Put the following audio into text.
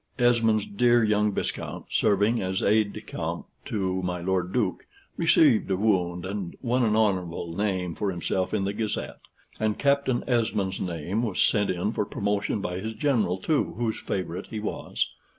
Esmond's dear young Viscount, serving as aide de camp to my Lord Duke, received a wound, and won an honorable name for himself in the Gazette; and Captain Esmond's name was sent in for promotion by his General, too, whose favorite he was.